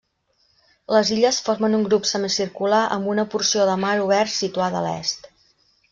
Les illes formen un grup semicircular amb una porció de mar obert situada a l'est.